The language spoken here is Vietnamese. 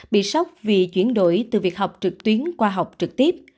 bị sốc vì chuyển đổi từ việc học trực tuyến qua học trực tiếp